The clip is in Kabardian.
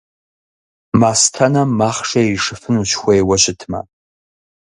Мастэнэм махъшэ иришыфынущ, хуейуэ щытымэ.